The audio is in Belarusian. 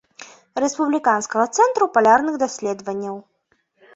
Рэспубліканскага цэнтру палярных даследаванняў.